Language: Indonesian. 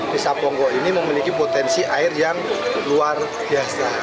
pisa ponggok ini memiliki potensi air yang luar biasa